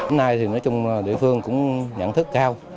đến nay thì nói chung là địa phương cũng nhận thức cao